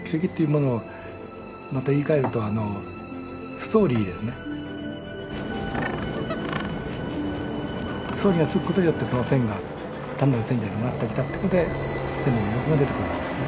ストーリーがつくことによってその線が単なる線じゃなくなってきたってことで線に魅力が出てくるわけですね。